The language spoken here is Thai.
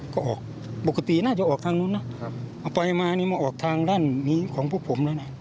ก็ออกปกติน่าจะออกทางนู้นนะเอาไปมานี่มาออกทางด้านนี้ของพวกผมแล้วนะ